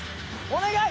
お願い！